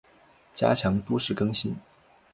加强都市更新